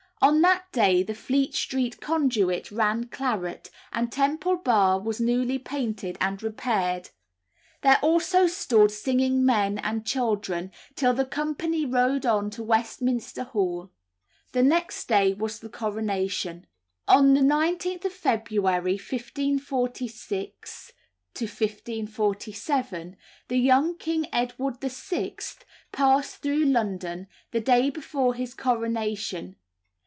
On that day the Fleet Street conduit ran claret, and Temple Bar was newly painted and repaired; there also stood singing men and children, till the company rode on to Westminster Hall. The next day was the coronation. On the 19th of February 1546 7 the young King Edward VI. passed through London, the day before his coronation.